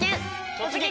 「突撃！